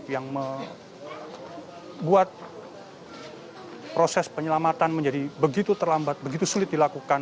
yang membuat proses penyelamatan menjadi begitu terlambat begitu sulit dilakukan